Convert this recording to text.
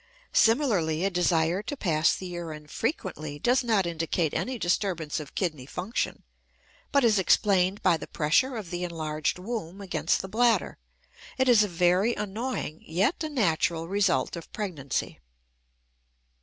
Similarly a desire to pass the urine frequently does not indicate any disturbance of kidney function, but is explained by the pressure of the enlarged womb against the bladder; it is a very annoying, yet a natural, result of pregnancy.